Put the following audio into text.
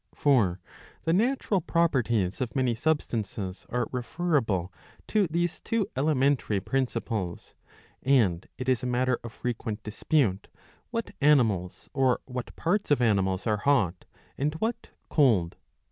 For the natural properties of many substances are referable to these two elementary principles ; and it is a matter of frequent dispute what animals or what parts of animals are hot and what cold.